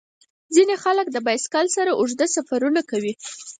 ځینې خلک د بایسکل سره اوږده سفرونه کوي.